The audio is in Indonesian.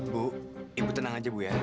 bu ibu tenang aja bu ya